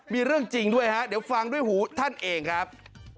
มีเรื่องจริงด้วยฮะเดี๋ยวฟังด้วยหูท่านเองครับ